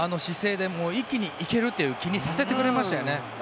一気に行けるという気にさせてくれましたよね。